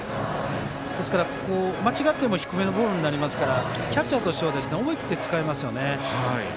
ですから、間違っても低めのボールになりますからキャッチャーとしては思い切って使えますよね。